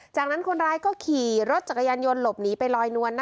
จากนั้นคนร้ายก็ขี่รถจักรยานยนต์หลบหนีไปลอยนวล